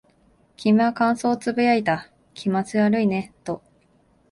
君は感想を呟いた。気持ち悪いねと。